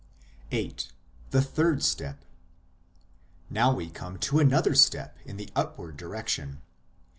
VIII. THE THIRD STEP Now we come to another step in the upward direction.